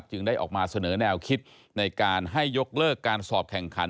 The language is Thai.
ได้ออกมาเสนอแนวคิดในการให้ยกเลิกการสอบแข่งขัน